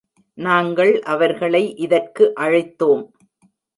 நாங்கள் அவர்களை இதற்கு அழைத்தோம்.